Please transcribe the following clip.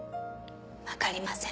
わかりません。